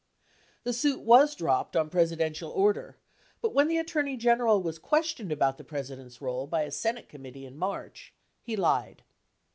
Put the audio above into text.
The suit was dropped on Presidential order, but when the Attorney General was questioned about the President's role by a Senate committee in March, he lied.